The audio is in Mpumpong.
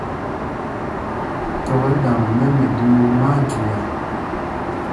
Tɔ̄ kɛ ɗaŋ mɛ́ mɛɗyuu, má á jüia.